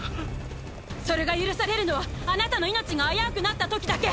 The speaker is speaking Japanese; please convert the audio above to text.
それが許されるのはあなたの命が危うくなった時だけ。